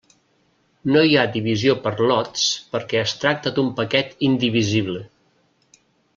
No hi ha divisió per lots perquè es tracta d'un paquet indivisible.